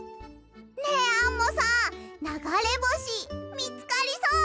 ねえアンモさんながれぼしみつかりそう？